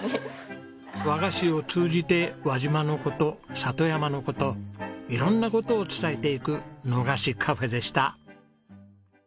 和菓子を通じて輪島の事里山の事色んな事を伝えていくの菓子Ｃａｆｅでした。